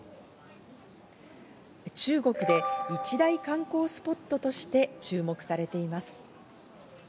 中国で一大観光スポットとして注目されています。